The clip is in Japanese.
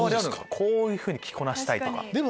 こういうふうに着こなしたいとか。